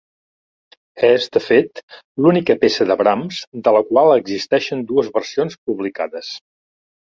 És, de fet, l'única peça de Brahms de la qual existeixen dues versions publicades.